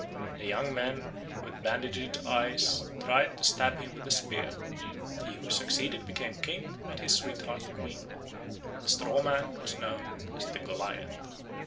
The young men with bandaged eyes tried to stab him with a spear. He who succeeded became king and his sweetheart queen. The straw man was known as the Goliath.